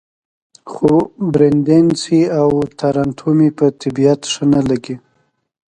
خو برېنډېسي او تارانتو مې په طبیعت ښه نه لګي.